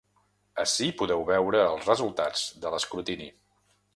Ací podeu veure els resultats de l’escrutini.